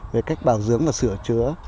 về cách bảo dưỡng và sửa chữa